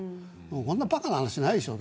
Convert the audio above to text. こんな、ばかな話ないでしょう。